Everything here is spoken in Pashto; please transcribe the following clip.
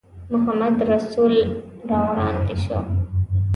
محمدرسول را وړاندې شو.